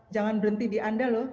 jangan berhenti di anda loh